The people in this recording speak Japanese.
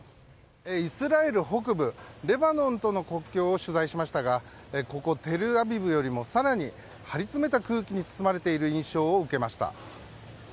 イスラエル北部レバノンとの国境を取材しましたがここ、テルアビブよりも更に張り詰めた空気に包まれている印象を受けました。